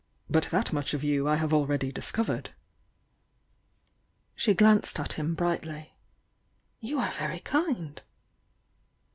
But that much of you I have already discovered." She glanced at him brightly. "You are very kind!"